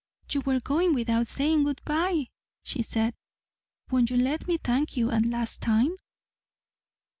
"You were going without saying good bye," she said. "Won't you let me thank you a last time?"